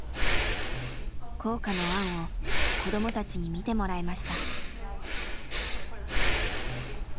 校歌の案を子どもたちに見てもらいました。